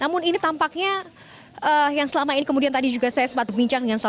namun ini tampaknya yang selama ini kemudian tadi juga saya sempat berbincang dengan saya